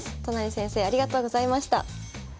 都成先生ありがとうございました。